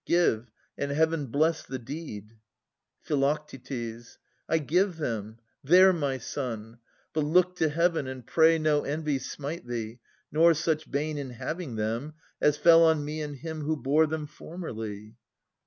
Give, and Heaven bless the deed ! Phi. I give them ; there, my son ! But look to Heaven And pray no envy smite thee, nor such bane In having them, as fell on me and him Who bore them formerly.